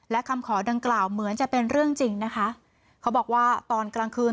และคำขอดังกล่าวเหมือนจะเป็นเรื่องจริงนะคะเขาบอกว่าตอนกลางคืน